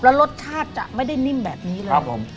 แล้วรสชาติจะไม่ได้นิ่มแบบนี้เลยครับผม